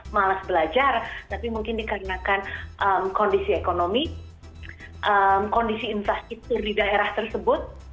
malas belajar tapi mungkin dikarenakan kondisi ekonomi kondisi infrastruktur di daerah tersebut